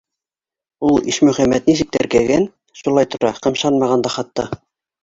Ул Ишмөхәмәт нисек теркәгән - шулай тора, ҡымшанмаған да хатта.